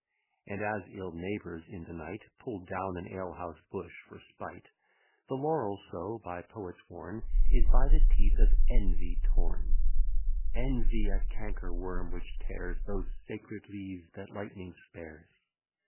And as ill neighbours in the night Pull down an alehouse bush for spite; The laurel so, by poets worn, Is by the teeth of Envy torn; Envy, a canker worm, which tears Those sacred leaves that lightning spares.